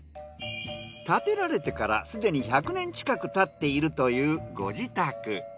建てられてからすでに１００年近く経っているというご自宅。